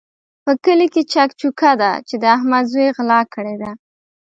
په کلي کې چک چوکه ده چې د احمد زوی غلا کړې ده.